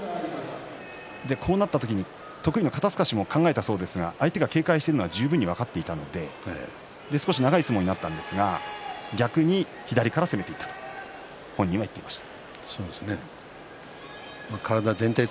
こうなった時に得意の肩すかしも考えたそうですが相手が警戒しているのも十分に分かったそうで長い相撲になったんですが逆に左から攻めていったと言っていました。